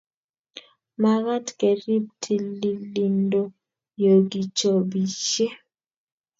Magat kerib tililindo yo kichobisie